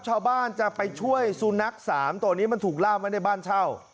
ชาวบ้านจะไปช่วยสุนัข๓ตัวนี้มันถูกล่ามไว้ในบ้านเช่า